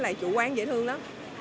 lại chủ quán dễ thương lắm